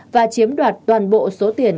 và chiếm đoạt toàn bộ số tiền